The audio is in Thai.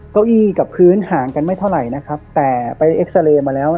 เก้าอี้กับพื้นห่างกันไม่เท่าไหร่นะครับแต่ไปเอ็กซาเรย์มาแล้ว